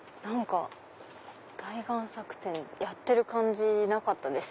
大贋作展やってる感じなかった。